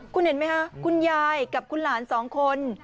คุณเห็นไหมคะคุณยายกับคุณหลานสองคน